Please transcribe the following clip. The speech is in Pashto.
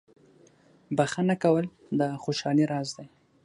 • بخښنه کول د خوشحالۍ راز دی.